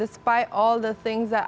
mimpi dan tujuan yang besar